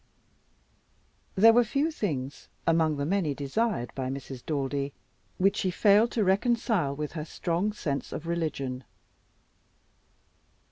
There were few things, among the many desired by Mrs. Daldy, which she failed to reconcile with her strong sense of religion.